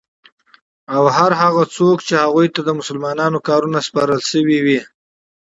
او هر هغه څوک چی هغوی ته د مسلمانانو کارونه سپارل سوی وی